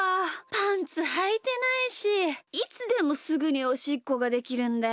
パンツはいてないしいつでもすぐにおしっこができるんだよなあ。